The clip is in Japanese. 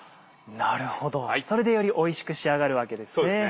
なるほどそれでよりおいしく仕上がるわけですね。